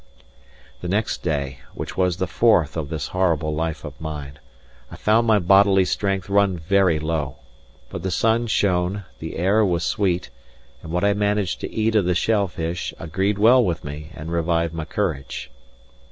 The next day (which was the fourth of this horrible life of mine) I found my bodily strength run very low. But the sun shone, the air was sweet, and what I managed to eat of the shell fish agreed well with me and revived my courage.